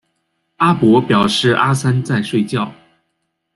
阿伯表示阿三在睡觉